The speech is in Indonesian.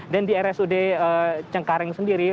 dan di rsud cengkareng sendiri